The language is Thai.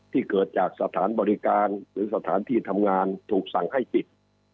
เกิดจากสถานบริการหรือสถานที่ทำงานถูกสั่งให้ปิด